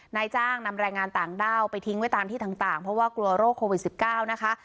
นายจ้างนำแรงงานต่างด้าวไปทิ้งไว้ตามที่ต่างเพราะว่ากลัวโรคโควิด๑๙นะคะ